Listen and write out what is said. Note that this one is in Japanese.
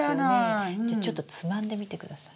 じゃちょっとつまんでみてください。